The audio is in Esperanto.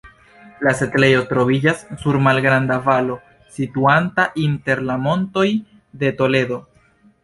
La setlejo troviĝas sur malgranda valo situanta inter la Montoj de Toledo.